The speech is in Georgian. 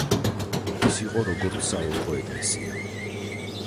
ის იყო როგორც საოლქო ეკლესია.